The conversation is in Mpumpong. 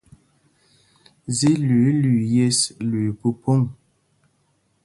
Zí lüǐi lüii yes, lüii phúphōŋ.